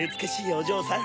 おじょうさん